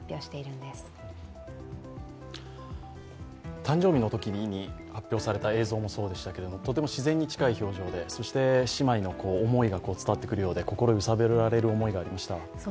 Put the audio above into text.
誕生日のときに発表された映像もそうでしたけれども、とても自然に近い表情で姉妹の思いが伝わってくるようで心揺さぶられる思いがありました。